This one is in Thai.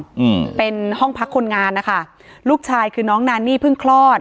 อืมเป็นห้องพักคนงานนะคะลูกชายคือน้องนานี่เพิ่งคลอด